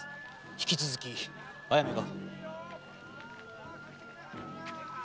引き続きあやめが。